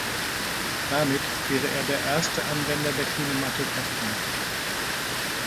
Damit wäre er der erste Anwender der Kinematografie.